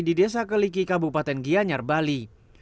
di desa keliki kabupaten gianyar bali